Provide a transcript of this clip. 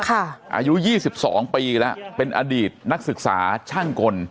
อายุ๒๒ปีแล้วเป็นอดีตนักศึกษาช่างกล